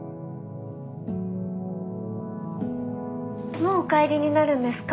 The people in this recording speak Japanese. もうお帰りになるんですか？